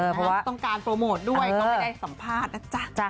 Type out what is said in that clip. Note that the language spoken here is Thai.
เพราะต้องการโปรโมทด้วยก็ไม่ได้สัมภาษณ์นะจ๊ะ